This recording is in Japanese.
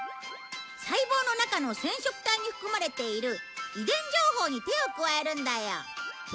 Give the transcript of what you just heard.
細胞の中の染色体に含まれている遺伝情報に手を加えるんだよ。